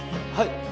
はい。